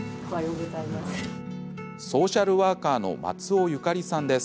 ソーシャルワーカーの松尾ゆかりさんです。